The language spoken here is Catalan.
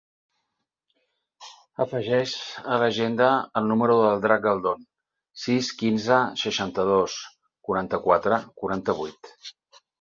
Afegeix a l'agenda el número del Drac Galdon: sis, quinze, seixanta-dos, quaranta-quatre, quaranta-vuit.